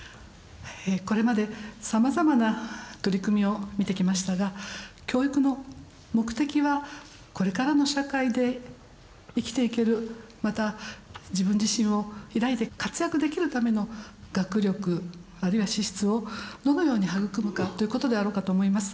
これまでさまざまな取り組みを見てきましたが教育の目的はこれからの社会で生きていけるまた自分自身を開いて活躍できるための学力あるいは資質をどのように育むかということであろうかと思います。